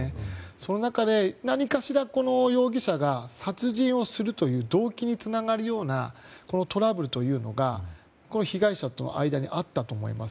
その中で、何かしら、容疑者が殺人をするという動機につながるようなトラブルというのが被害者の間にあったと思います。